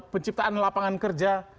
penciptaan lapangan kerja